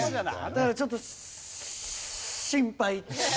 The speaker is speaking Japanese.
だからちょっと。